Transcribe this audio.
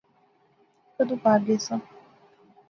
کیدوں پار گیساں؟